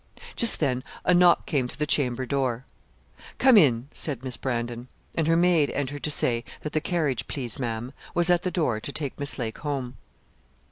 Just then a knock came to the chamber door. 'Come in,' said Miss Brandon: and her maid entered to say that the carriage, please Ma'am, was at the door to take Miss Lake home.